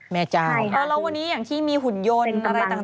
แม่จ้างแล้ววันนี้อย่างที่มีหุ่นยนต์อะไรต่าง